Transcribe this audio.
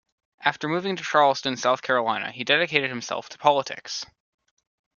After moving to Charleston, South Carolina, he dedicated himself to politics.